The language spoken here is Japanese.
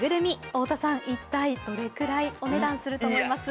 太田さん、一体どれくらいお値段すると思います？